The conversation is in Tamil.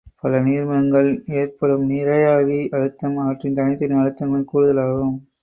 பல நீர்மங்களால் ஏற்படும் நிறையாவி அழுத்தம் அவற்றின் தனித்தனி அழுத்தங்களின் கூடுதலாகும்.